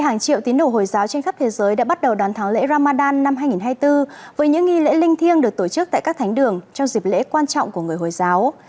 hàng triệu tín đồ hồi giáo trên khắp thế giới đã bắt đầu đoàn tháng lễ ramadan năm hai nghìn hai mươi bốn với những nghi lễ linh thiêng được tổ chức tại các thánh đường trong dịp lễ quan trọng của người hồi giáo